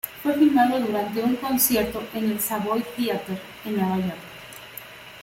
Fue filmado durante un concierto en el Savoy Theatre en Nueva York.